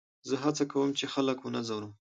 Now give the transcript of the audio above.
زه هڅه کوم، چي خلک و نه ځوروم.